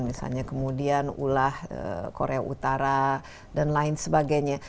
misalnya kemudian ulah korea utara dan lain sebagainya